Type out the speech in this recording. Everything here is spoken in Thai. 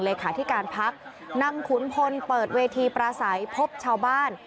เลขาธิการพักนำขุนพลเปิดเวทีประสัยพบชาวบ้าน